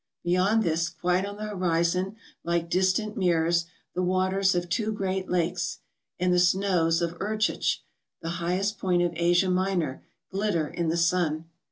Beyond this, quite on the horizon, like distant mirrors, the waters of two great lakes, and the snows of Erdchich, the highest point of Asia Minor, glitter in the sun.